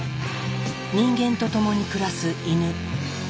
人間と共に暮らす犬。